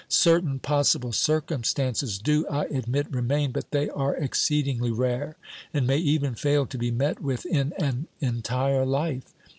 Certain possible circumstances do, I admit, remain, but they are exceedingly rare, and may even fail to be met with in an entire life.